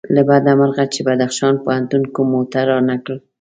له بده مرغه چې بدخشان پوهنتون کوم موټر رانه کړ.